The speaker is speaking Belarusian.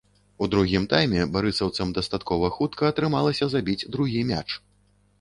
У другім тайме барысаўцам дастаткова хутка атрымалася забіць другі мяч.